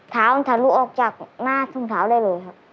เท้ามันทะลุออกจากหน้าถุงเท้าได้เลยครับ